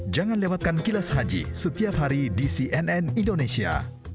jangan lewatkan kilas haji setiap hari di cnn indonesia